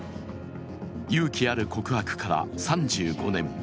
勇気ある告白から３５年。